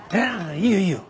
いいよいいよ。